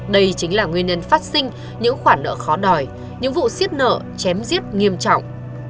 đây chính là nguyên nhân phát sinh những khoản nợ khó đòi những vụ xiết nợ chém giết nghiêm trọng